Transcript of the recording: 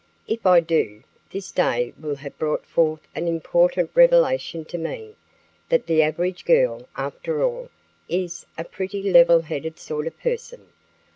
If I do, this day will have brought forth an important revelation to me, that the average girl, after all, is a pretty level headed sort of person.